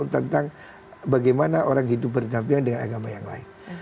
tentang bagaimana orang hidup berdampingan dengan agama yang lain